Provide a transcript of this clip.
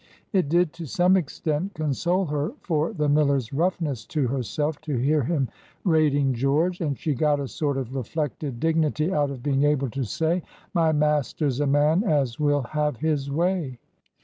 It did to some extent console her for the miller's roughness to herself, to hear him rating George. And she got a sort of reflected dignity out of being able to say, "My maester's a man as will have his way."